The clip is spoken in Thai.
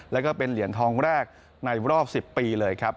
แล้วก็เป็นเหรียญทองแรกในรอบ๑๐ปีเลยครับ